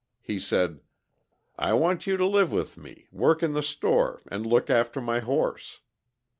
He said: "'I want you to live with me, work in the store, and look after my horse.'